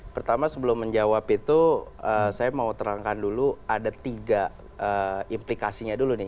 pertama sebelum menjawab itu saya mau terangkan dulu ada tiga implikasinya dulu nih